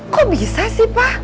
kok bisa sih pa